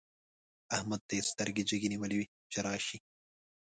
احمد ته يې سترګې جګې نيولې وې چې راشي.